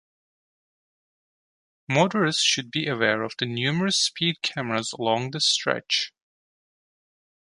Motorists should be aware of the numerous speed cameras along this stretch.